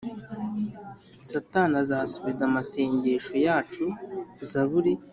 Satani azasubiza amasengesho yacu Zaburi